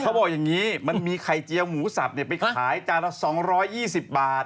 เขาบอกอย่างนี้มันมีไข่เจียวหมูสับไปขายจานละ๒๒๐บาท